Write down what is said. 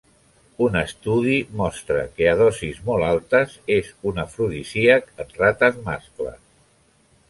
Un estudi mostra que, a dosis molt altes, és un afrodisíac en rates mascles.